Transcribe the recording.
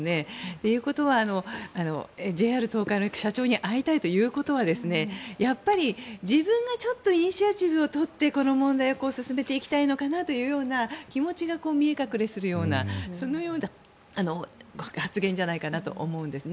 ということはＪＲ東海の社長に会いたいということはやっぱり自分がイニシアチブを取ってこの問題を進めていきたいのかなという気持ちが見え隠れするようなそのような発言じゃないかと思うんです。